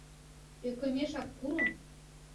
Ӧкымешак пуро...